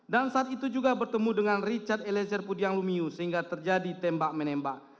dan saat itu juga bertemu dengan richard elezer pudiang lumiu sehingga terjadi tembak menembak